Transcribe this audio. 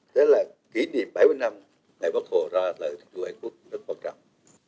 đó là kỷ niệm bảy mươi năm đại bác hồ ra tại thủ tướng hải quốc nước quan trọng